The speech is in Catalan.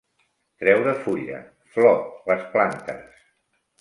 Treure fulla, flor, les plantes.